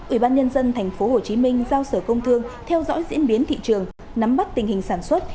ubnd tp hcm giao sở công thương theo dõi diễn biến thị trường nắm bắt tình hình sản xuất